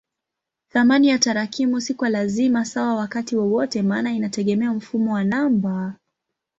Thamani ya tarakimu si kwa lazima sawa wakati wowote maana inategemea mfumo wa namba.